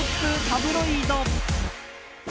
タブロイド。